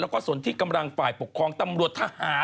แล้วก็ส่วนที่กำลังฝ่ายปกครองตำรวจทหาร